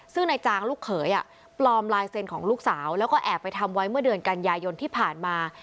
ซึ่งนายจางลูกเขยปลอมลายเซ็นต์ของลูกสาวแล้วก็แอบไปทำไว้เมื่อเดือนกันยายนที่ผ่านมา